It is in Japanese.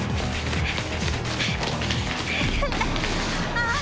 ああ！？